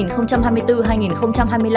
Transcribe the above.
năm hai nghìn hai mươi bốn hai nghìn hai mươi năm